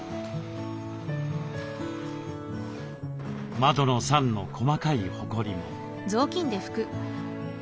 窓の桟の細かいホコリも。